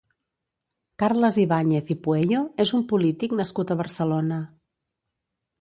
Carles Ibàñez i Pueyo és un polític nascut a Barcelona.